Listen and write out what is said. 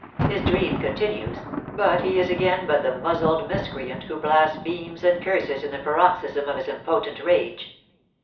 His dream continues; but he is again but the muzzled miscreant who blasphemes and curses in the paroxysm of his impotent rage.